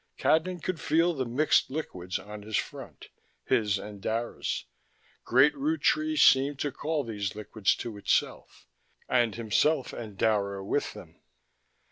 Cadnan could feel the mixed liquids on his front, his and Dara's: Great Root Tree seemed to call these liquids to itself, and himself and Dara with them.